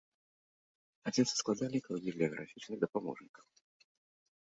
Адзін са складальнікаў бібліяграфічных дапаможнікаў.